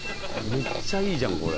めっちゃいいじゃんこれ。